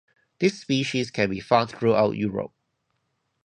This species can be found throughout Europe.